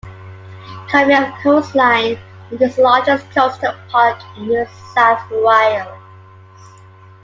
Covering of coastline, it is the largest coastal park in New South Wales.